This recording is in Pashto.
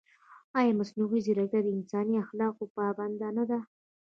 ایا مصنوعي ځیرکتیا د انساني اخلاقو پابنده نه ده؟